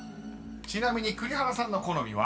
［ちなみに栗原さんの好みは？］